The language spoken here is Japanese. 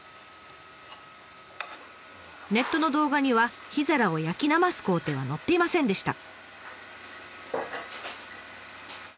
ネットの動画には火皿を焼きなます工程は載っていませんでした。